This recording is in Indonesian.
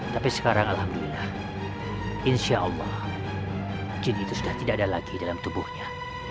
tapi sekarang alhamdulillah insya allah jin itu sudah tidak ada lagi dalam tubuhnya